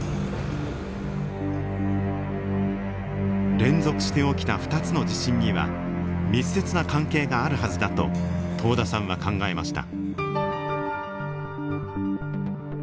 連続して起きた２つの地震には密接な関係があるはずだと遠田さんは考えました。